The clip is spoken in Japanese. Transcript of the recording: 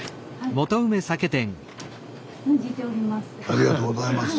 ありがとうございます。